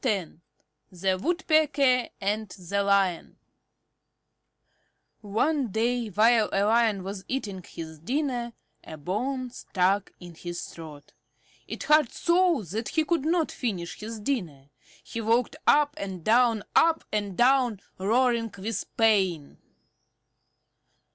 X THE WOODPECKER AND THE LION One day while a Lion was eating his dinner a bone stuck in his throat. It hurt so that he could not finish his dinner. He walked up and down, up and down, roaring with pain.